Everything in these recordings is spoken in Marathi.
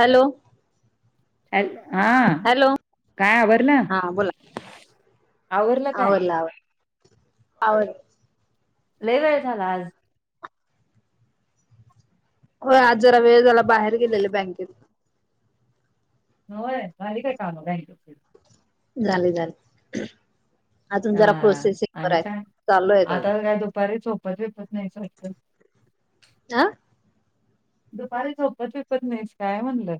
हॅलो. हा हॅलो काय आबर ना. होवला ल वेळ झाला आज हो आज जरा वेळ झाला बाहेर गेलेले बँकेत होय ली काय काम झाले झाले अजून जरा हा प्रोसेसिंग वर आणि आहेत सांग चालू आहेत आता अजून काय दुपारी झोपत विेपत नाहीच वाटतं हह दुपारी झोपत फेपत नाहीस काय म्हणलं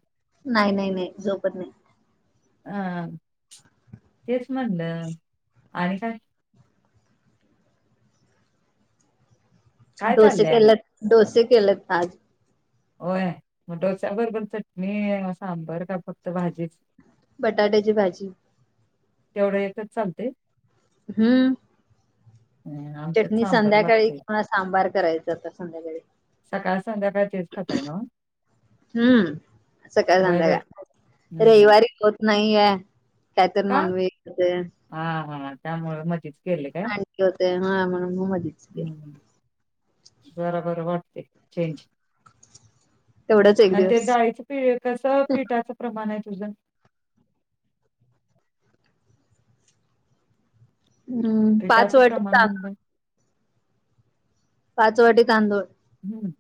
नाही नाही नाही झोपत नाही अ तेच म्हणलं आणि काय काय डोसे चाललंय आणि? केले डोसे केलेत तज होय मग डोच्या बरोबर चटणी सांबर का फक्त भाजी. बटाट्याची भाजी. तेवढं एकच चालते. हम्म हम् चटणी संध्याकाळी किंवा सांबार करायचं आ संध्याकाळी. सकाळ संध्याकाळ तेच खातय ना. हम्म सकाळ होय बाई संध्याका हम्म रविवारीत. नाहीय कायत का? Non veg. हा हा त्यामुळे मजच. आणखी होते हा म्हणून मच. बराबर वाटते चेंज. तेवढंच एक आणि ते दिवस डाळीचं पी कस पिठाच प्रमाण आहे तुजन. हम्म पाच पिठाचं प्रमाण वाटेचा. म्हणलं पाच वाटी तांदूळ. हम्म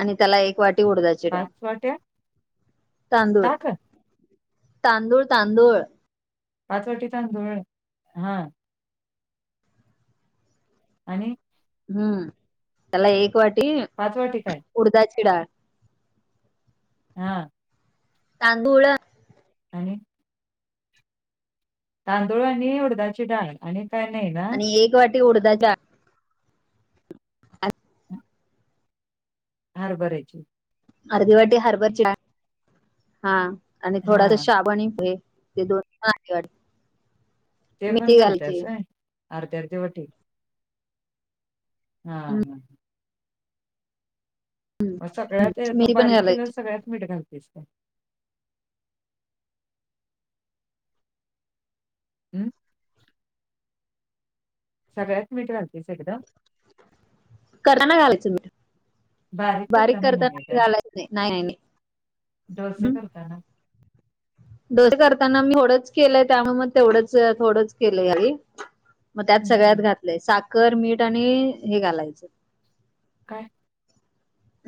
आणि त्याला एक वाटी उडायची. पाच वाट्या. तांदूळ ताक तांदूळ तांदूळ. पाचवटी धुळ हा. आणि. हम्म त्याला एक वाटी पाचवा ठिकाय उडदा चिडा हा तांदूळ. आणि तांदूळ आणि हुडदाची डाळ आणि काय नाही ना. आणि एक वाटी उडदा जा. हार बरायची अर्धी वाटी हर्भर हा आणि थोडासा हा शाबण ते दोन. पाठ वाट ते पण घालतयसय अर्ध्या अर्धे वाटी. हम् हम हम्म मग सगळ्यातेत मिरी पण बारीक घालायची केल्यास सगळ्यात मीठ घालतेस ते हम्म सगळ्यात मीठ घालतेस एकदां करा ना घालायचं म बारीक नाही आहे करताना काय झालायच नाही नाही नाही नाही ह [unintelligible] [inaudible] डोसे करताना मीथोडंच केलंय त्यामुळे मग तेवढंच थोडंच केलंय अररी मग त्यात सगळ्यात हम्म घातलंय साखर मीठ आणि हे घालायचं काय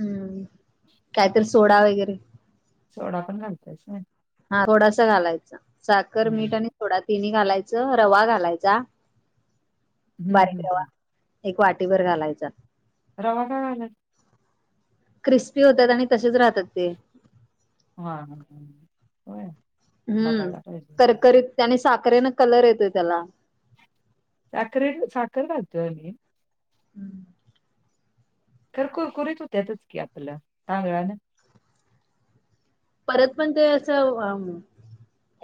हम्म कायतरी सोडा वगैरे सोडा पण घालतयस ना हा थोडासा घालायचा साखर मीठ आणि हम्म थोडा तिन घालायचं रवा घालायचा हम्म बारीक रवा हम्म. एक वाटीवरर घालायचा रवा का क्रिस्पी होतात आणि तसेच राहतात ते हा ह ह हम्म करकरीीत आणि साखरेन कलर येतोय त्याला साखरे साखरे लातू आणि हम्म खक करत होत्यातच की आपलं तांगळा ना परत पण ते असं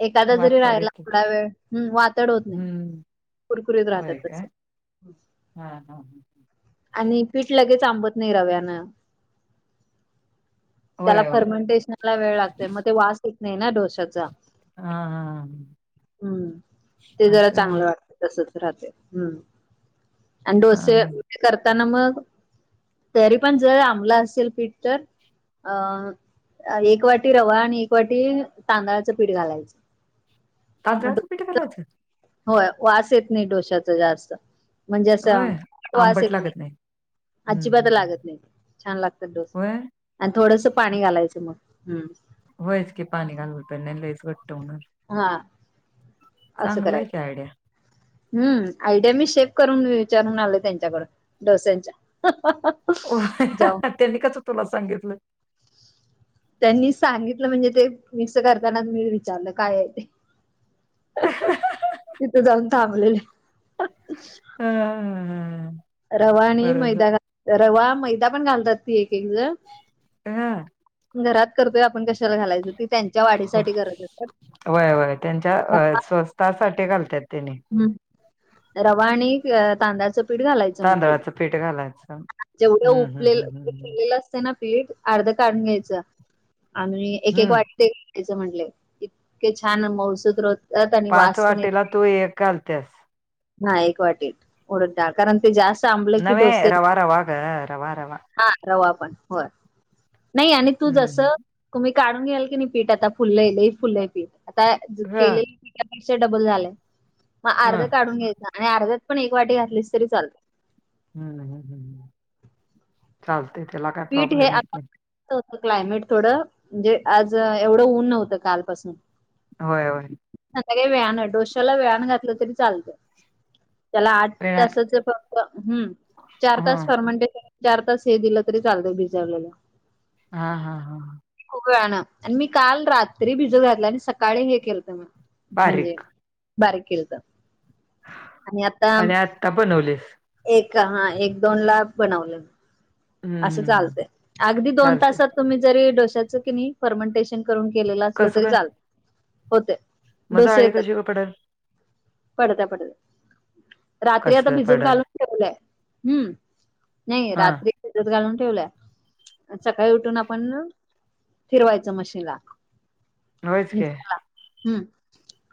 एखादा जरी वातड राहिला येतंय थोडा वेळ वातड होत नाही हम्म कुरकुरीत राहतात होय का तस हा हा हा आणि पीठ लगेच आंबत नाही रव्यानं त्याला होय होय फर्मेंटेशनला वेळ लागत मग ते वास येत नाही ना डोश्याचा हा हा हा. हम्म ते जरा असं आहे चांगलं होय वाटत तसच राहते हम्म आणि हा डोसे हा. करताना मग तरी पण जर आंमला असेल पीट तर अ एक वाटी रवा आणि एक वाटी तांदळाचं पीठ घालायचं तजळ स पठेला अच हो वास येत नाही डोश्याचा जास्त म्हणजे होय असं वास आंबट येत नाही लागत हम्म हम्म अजिबात हम्म लागत नाही छान लागतात डोस होय आणि थोडंस पाणी घालायचं मग हम् होयच की पाणी घालून प नाही लच घट्ट हो हा असं आहे करायचं की आयडिया हम्म आयडिया मी शेफ करून विचारून आले त्यांच्याकड डोस्यांच्या [inaudible] जाऊ त्यांनी कसं तुला सांगितलं त्यांनी सांगितलं म्हणजे ते मिक्स करताना मी विचारलं काय आहे ते तिथं जाऊन थांबलेले हम् हम्म हम्मम रवा आणि मैदााल रवा मैदा पण घालतात ती एक एक ज ह घरात करतोय आपण कशाला घालायचं तेी त्यां वय वय त्यांच्या अ स्वस्थासाठी घालतात त्यांनी हम् रवा आणि तांदळाचं पीठ घालायचं म्हट तांदळाचं पीठ घालायचं जेवढ उ हम्म हम्म हम्म हम्म ना पीठ अर्ध काढून घ्यायचं आणि हम्म एक एक हम्म. वाटते म्हट इतके छान महसूद पाच वाटेला तू एक घालतेस ह एक वाटीत उडत कारण ते जास्त आंबलं की नवेहे डोसे रवा रवा रवा रवा हा रवा पण हो नाही आणि तू जस हम्म तुम्ही काढून घ्याल की नाही पीठ आता फुललंले फुल आहे पीठ आता ह केले पेक्षाडबल झालंय मग ह अर्ध काढून घ्यायच आणि अर्ध्यात पण एक वाटी घातलीच तरी चालत हम्म हम्म हम्म चालतय त्याला काय पीठ हे प्रॉब्लेम येत नाही क्लायमेट थोडं म्हणजे आज एवढं ऊन नव्हतं कालपासून होय होय संधा काही व्यान आहे डोश्याला व्यान घातलं तरी चालतं त्याला आठ वेळा ताच फम्म चार हा तास फर्मंटेश चार तास हे दिलं री चालतय बिजारवल्याला हा हा हा हा खूप वेळाानं आणि मी काल रात्री भिज घातला आणि सकाळी हे केलत मग म्हणजे बारीक बारीक केल तर आणि आता आणि आत्ता बनवलेस एक हा एक दोन ला बनवलं असं हम्म चालतय अगदी दोन चालते तासात तुम्ही जरी डोश्याचं कि नाही फर्मंटेशन ून केले असलं कसं तरी काय चाल मग होते से जाळी येतात कशी पडेल पडतय पडत रात्री आता कसं भिजत पडल घालून ठेवय हम्म नाही हा रात्री भजत घालून ठेवलंय सकाळी उठून आपण फिरवायचं मशीनला होयच नि की हम्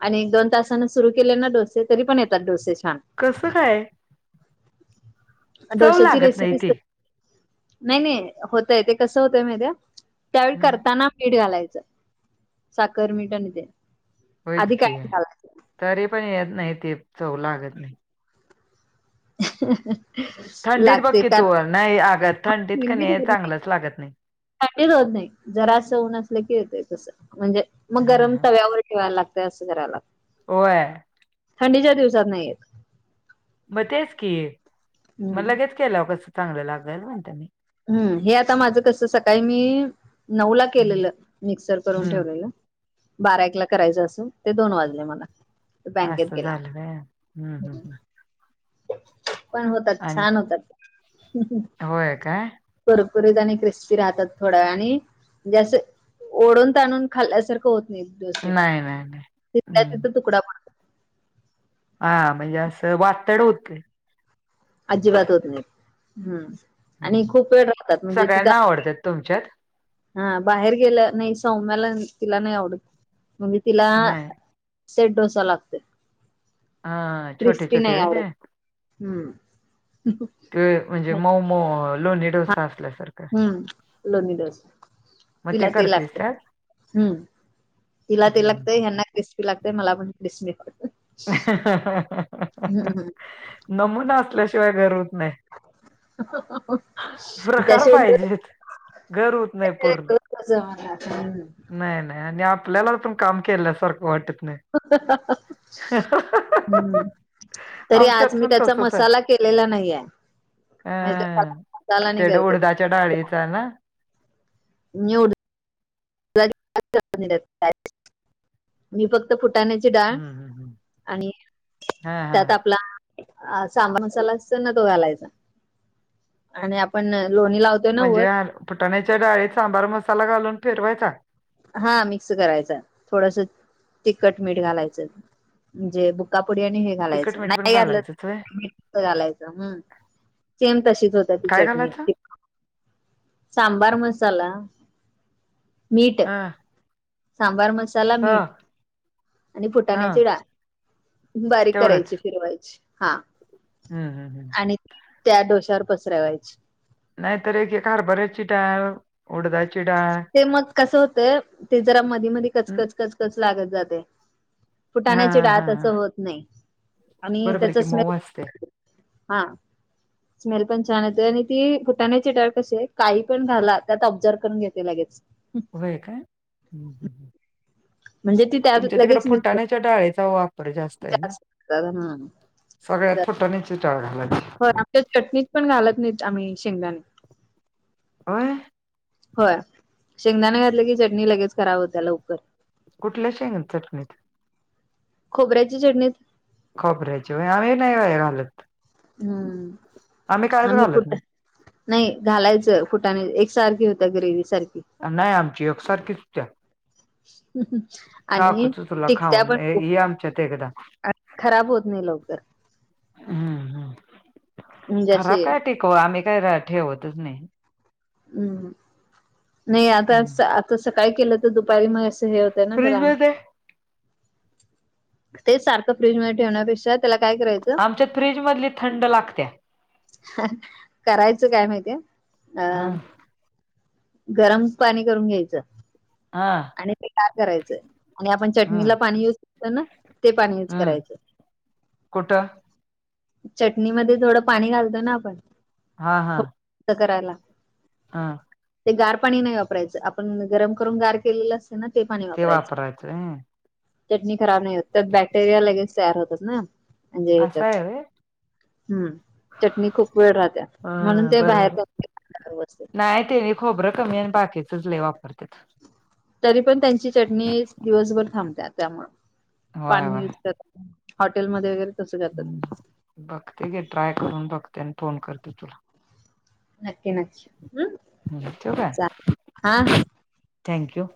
आणि दोन तासान सुरू केले ना डोसे तरी पण येतात डोसे छान कसं काय चव डोश्याची लागत नाही रेसिपी ती नाही नाही होतय ते कसं होतय मध्ये्या त्यावेळी हम्म, करताना मीठ घालायचं साखर मीठ आणि ते होयच आधी की काय घालायच तरी पण येत नाही ते चव लागत नाही ह थंडीत बघकी तू नाही आगात थंडीत क नाही चांगलंच लागत नाही सा होत नाही जरा असं ऊन असलं की येतय तस म्हणजे मग हा गरम तव्यावर ठेवायला लागत वतस करायला आहे थंडीच्या दिवसात नाहीयेत मग तेच की मग हम्म लगेच केला कसं चांगलं लागेल म्हणत मी हम्म हे आता माझं कसं सकाळी मी नऊ ला हम्म केलेलं मिक्सर करून हम्म, ठेवलेलं बारा एकला करायचं असे ते दोन वाजले मला बँकेत असं गेला झालं काय हम्म हम्म मग हम्म. पण होतात आणि छान क- होतात होय काय करपुरीत आणि क्रिस्पी राहतात थोड्या आणिण जे असं ओढून ताणून खाल्ल्यासारखं होत नाही दव नाही नाही नाही तिल्या हम्म तिथ तुकडा पण हा म्हणजे असं वातळ होत का अजिबात होत नाही् आणि हम्म. खूप वेळ राहतात म्हणजे तिथ सगळ्यांना आवडतात तुमच्यात हा बाहेर गेलं नाही सौम्याला तिला नाही आवडत म्हणजे तिला नाही सेट डोसा लागते हा छोटे छोटे होते आवडत हम्म ते म्हणजे मऊ म लोणी डोसा असल्यासारखं हम्म लोनी दस मग तिला ते करतेस त्यात लागतं, तिला ते हम्म. लागतय ह्यांना क्रीस पी लागते मला पण. [unintelligible] हम्म हम्म नमुना असल्याशिवाय घर होत नाही प्रकार त्याशिवाय गळून पाहिजेत. घर होत नाही त्याशिवाय पूर्ण. गळून कसं होणार? हम्म नाही नाही आणि आपल्याला पण काम केल्यासारखं वाटत नाही. हम्म. तरी आमच्यात आज मी पण त्याचा मसाला केलेला नाही आहेे. नाहीतर त्याला आं मसाला तेढ करते उडदाच्या डाळीच ना. येवढं [unintelligible] मी फक्त फुटाने ची डाळ हम्म, हम्म. आणि हा हा त्यात आपला आ सांभर मसाला असतो ना तो घालायचा आणि आपण लोणी लाव म्हणजे फुटाण्याच्या डाळीत सांभर मसाला घालून फिरवायचा? हा मिक्स करायचा थोडसा तिखट-मीठ घालायचं. म्हणजे बुकापुडी आणि हे तिखट घालायचं मीठ पण नाही घालायचंच होय. [inaudible] घालायचं हम्म. सेम तशीच होते ती काय चटणी. घालायचं? सांभर मसाला, मीठ अ सांबार मसाला, ह मीठ आणि ह फुटाण्याची डाळ. बारीक तेवढंच करायची फिरवायची हा. हम्म हम्म हम्म. आणि त्या डोश्यावर पसरावायची. नाहीतर एक हरबऱ्याची डाळ, उडदाची डाळ ते मग कसं होतय ते जरा मधी मधी कचकच कचकच लागत जाते. हा फुटाण्याची डळात हा तसं होत नाही आणि बरोबर आहे त्याचा की मऊ स्मेल असते. हा. स्मेल पण छान येते आणि ती फुटाण्याची डाळ कशी आहे काही पण घाला त्यात ऑब्झर करून घेते लगेच. व्हय काय म्हणजे ती त्यात तुमच्या तिकडं लगेच मिक्स फुटाण्याच्या डाळेचा वाप पडे जास्त करते आहे ना जास्त हम्म सगळ्यात फुटण्याची डाळ घालायची. हो आमच्या चटणीत पण घालत नाहीत आम्ही शेंगदाणे. होय. होय, शेंगदाने घातलं की चटणी लगेच खराब होत्या लवकर. कुठल्या शेंग चटणीत? खोबऱ्याची चटणीत. खपऱ्याची वय आम्ही नाही काय घालत. हम्म कायच आम्ही घालत नाही. फुट नाही घालायचं फुटाने एकसारखी होत्या ग्रेवी सारखी. नाही आमची एकसारखीच होत्या. हम्म् आणि दाखवतो तुला टिकत्या खाऊन. पण ए, खूप ये आमच्यात एकदा. [inaudible] आणि खराब होत नाही लवकर. हम्म हम्म म्हणजे खराब अशी काय टिकवा आम्ही काही र ठेवतच नाही. हम्म नाही आता हम्म. आता सकाळी केलं तर दुपारी मग असं हे हो ते ना फ्रीज त्याला मध्ये तेच सारखं फ्रीज मध्ये ठेवण्यापेक्षा त्याला काय करायचं आमच्या फ्रीज मधली थंड लागत्या. करायचं काय माहितीय अ ह गरम पाणी करून घ्यायचं हा आणि ते का करायचं आणि आपण चटणीला हम्म पाणी यूज करतो ना ते पाणी युज हम्म करायचं. कुठं चटणीमध्ये थोडं पाणी घालतो ना आपण हा हा थोडं करायला हा ते गार पाणी नाही वापरायचं आपण गरम करून गार केलेलं अस हाय ना ते पाणी वापरायचं. चटणी खराब नाही होत बॅक्टेरिया लगेच तयार होतात ना. म्हणजे ह्याच्यात असं आहे व्हय हम्म चटणी खूप वेळ राहत्या म्हणून ते बाहेर नाय ते मी खोबरं कमी आणि बाकीचच लय वापरत्यात. तरी पण त्यांची चटणी दिवसभर थांबते त्यामुळ होय होय पाणी युज कर हॉटेलमध्ये वगैरे तसं करतात हम्म बघते की ट्राय करून बघते आणि फोन करते तुला नक्की नक्की हम्म हं ठेव चालेल हा हा काय थँक यू